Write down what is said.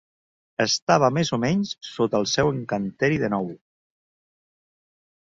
Estava més o menys sota el seu encanteri de nou.